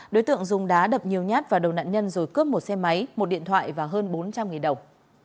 đối tượng dùng đá đập nhiều nhát vào đầu nạn nhân rồi cướp một xe máy một điện thoại và hơn bốn trăm linh đồng